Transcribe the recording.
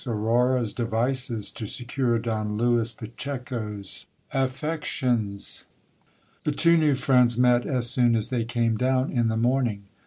— Auroras devices to secure Don Leans Pachecds affections. The two new friends met as soon as they came down in the morning.